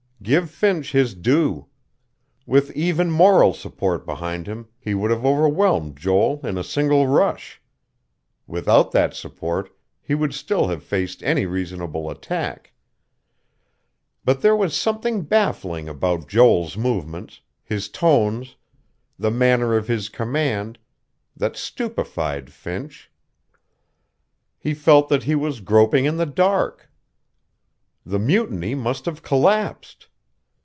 Give Finch his due. With even moral support behind him, he would have overwhelmed Joel in a single rush. Without that support, he would still have faced any reasonable attack. But there was something baffling about Joel's movements, his tones, the manner of his command, that stupefied Finch. He felt that he was groping in the dark. The mutiny must have collapsed....